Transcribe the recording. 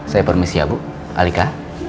saya permisi ya bu alika